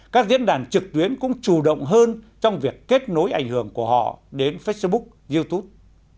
các diễn đàn trực tuyến cũng chủ động hơn trong việc kết nối ảnh hưởng của họ đến facebook youtube